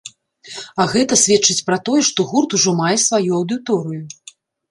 А гэта сведчыць пра тое, што гурт ужо мае сваю аўдыторыю.